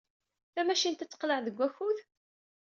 Tamacint ad teqleɛ deg wakud?